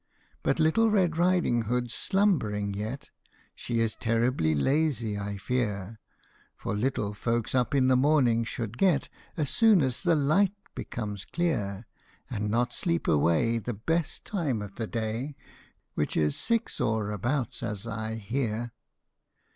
But little Red Riding Hood 's slumbering yet She is terribly lazy, I fear ; For little folks up in the morning should get As soon as the light becomes clear, And not sleep away The best time of the day, Which is six, or about : as I hear.